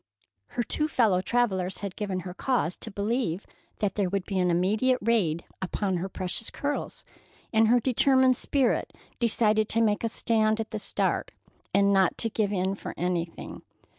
Her two fellow travellers had given her cause to believe that there would be an immediate raid made upon her precious curls, and her determined spirit decided to make a stand at the start, and not to give in for anything.